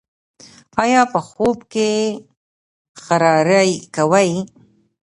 ایا په خوب کې خراری کوئ؟